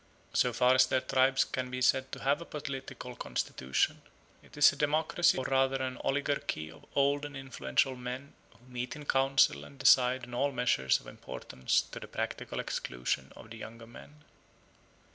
So far as their tribes can be said to have a political constitution, it is a democracy or rather an oligarchy of old and influential men, who meet in council and decide on all measures of importance to the practical exclusion of the younger men.